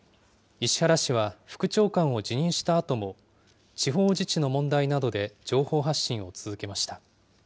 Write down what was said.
石原氏は、副長官を辞任したあとも、地方自治の問題などで情報発信を続けました。